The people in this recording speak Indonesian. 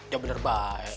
ya bener baik